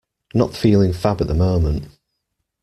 Not feeling fab at the moment.